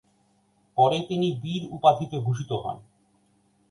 পরে তিনি বীর উপাধিতে ভূষিত হন।